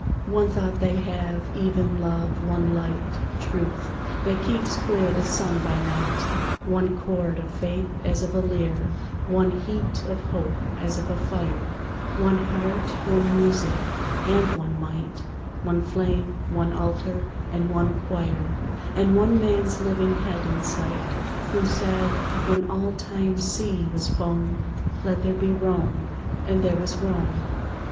One thought they have, even love; one light, Truth, that keeps clear the sun by night; One chord, of faith as of a lyre; One heat, of hope as of a fire; One heart, one music, and one might, One flame, one altar, and one choir; And one man's living head in sight Who said, when all time's sea was foam, "Let there be Rome"—and there was Rome.